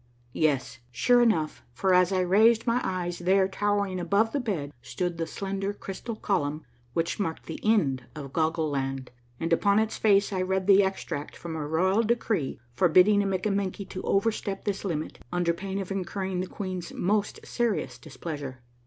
Yes, sure enough, for, as I raised m3" eyes, there tower ing above the bed stood the slender crystal column which A MARVELLOUS UNDERGROUND JOURNEY 87 marked the end of Goggle Land, and upon its face I read the extract from a royal decree forbidding a Mikkamenky to over step this limit under pain of incurring the queen's most serious displeasure.